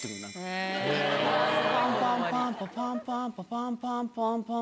パンパンパンパパンパンパンパン